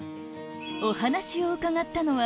お話を伺ったのは